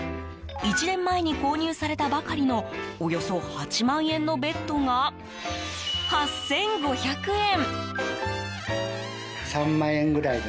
１年前に購入されたばかりのおよそ８万円のベッドが８５００円。